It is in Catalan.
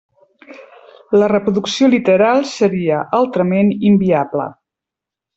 La reproducció literal seria altrament inviable.